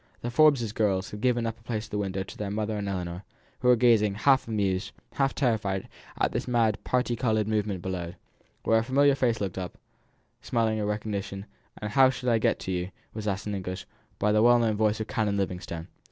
The Forbes girls had given place at the window to their mother and Ellinor, who were gazing half amused, half terrified, at the mad parti coloured movement below; when a familiar face looked up, smiling a recognition; and "How shall I get to you?" was asked in English, by the well known voice of Canon Livingstone.